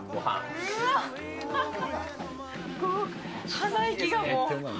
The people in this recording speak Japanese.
鼻息がもう。